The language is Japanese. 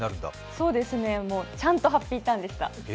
そうですね、ちゃんとハッピーターンでした。